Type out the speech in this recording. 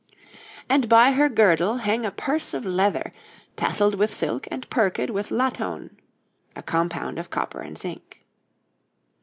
And by hir girdel heeng a purs of lether Tasseld with silk and perked with latoun (a compound of copper and zinc).